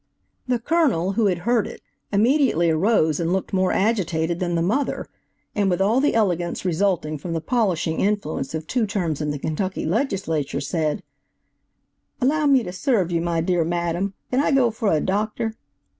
The Colonel, who had heard it, immediately arose and looked more agitated than the mother, and with all the elegance resulting from the polishing influence of two terms in the Kentucky Legislature, said: "Allow me to serve you, my dear madam; can I go for a doctor?"